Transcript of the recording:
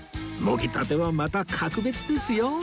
もぎたてはまた格別ですよ